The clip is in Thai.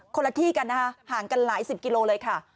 ละที่กันนะคะห่างกันหลายสิบกิโลเลยค่ะ